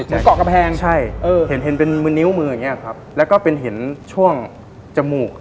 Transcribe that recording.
อยู่เกาะกำแพงใช่เห็นเป็นมือนิ้วมืออย่างนี้ครับแล้วก็เป็นเห็นช่วงจมูก